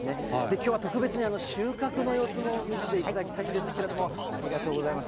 きょうは特別に、収穫の様子も見せていただきたいんですけれども、ありがとうございます。